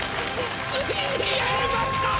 ついにやりました！